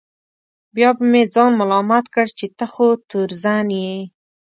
بیا به مې ځان ملامت کړ چې ته خو تورزن یې.